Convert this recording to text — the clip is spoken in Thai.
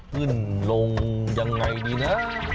ขึ้นลงยังไงดีนะ